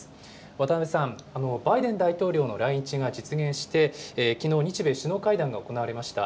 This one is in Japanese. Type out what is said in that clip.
渡辺さん、バイデン大統領の来日が実現して、きのう、日米首脳会談が行われました。